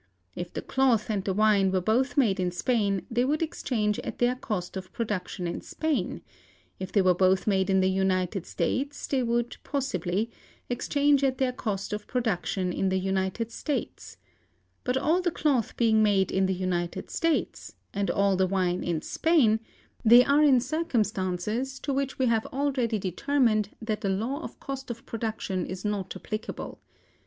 If the cloth and the wine were both made in Spain, they would exchange at their cost of production in Spain; if they were both made in the United States, they would [possibly] exchange at their cost of production in the United States: but all the cloth being made in the United States, and all the wine in Spain, they are in circumstances to which we have already determined that the law of cost of production is not applicable.